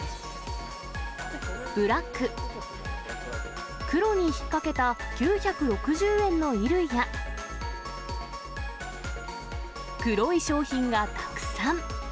ブラック、くろに引っ掛けた９６０円の衣類や、黒い商品がたくさん。